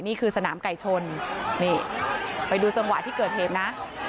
นี่คือสนามไก่ชนนี่ไปดูจังหวะที่เกิดเหตุนะ